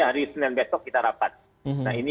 hari senin besok kita rapat nah ini